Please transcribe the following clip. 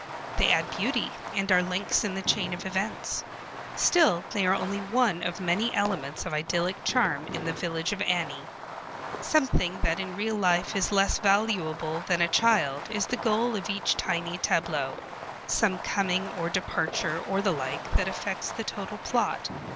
They add beauty, and are links in the chain of events. Still they are only one of many elements of idyllic charm in the village of Annie. Something that in real life is less valuable than a child is the goal of each tiny tableau, some coming or departure or the like that affects the total plot.